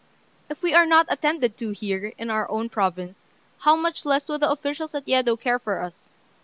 If we are not attended to here, in our own province, how much less will the officials at Yedo care for us.